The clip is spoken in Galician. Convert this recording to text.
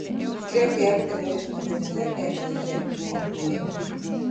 Creo que é algo que debemos recoñecer e agradecer, conclúe.